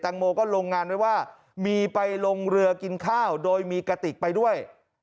งโมก็ลงงานไว้ว่ามีไปลงเรือกินข้าวโดยมีกระติกไปด้วย